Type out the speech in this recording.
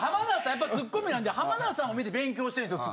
やっぱりツッコミなんで浜田さんを見て勉強してんですよ。